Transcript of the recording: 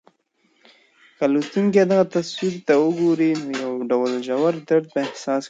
که لوستونکی دغه تصویر ته وګوري، نو یو ډول ژور درد به حس کړي.